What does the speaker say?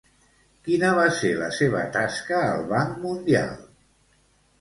Quina va ser la seva tasca al Banc Mundial?